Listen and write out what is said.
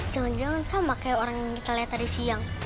jangan jangan sama kayak orang yang kita lihat tadi siang